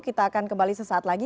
kita akan kembali sesaat lagi